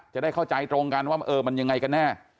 จะได้เข้าใจตรงกันว่าเออมันยังไงกันแน่